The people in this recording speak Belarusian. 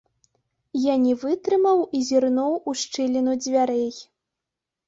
Я не вытрымаў і зірнуў у шчыліну дзвярэй.